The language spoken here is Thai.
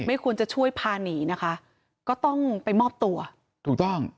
ควรจะช่วยพาหนีนะคะก็ต้องไปมอบตัวถูกต้อง